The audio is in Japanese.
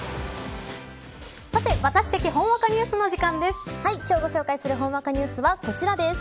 さてワタシ的ほんわかニュースの時間です。